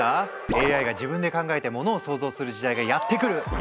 ＡＩが自分で考えてモノを創造する時代がやって来る！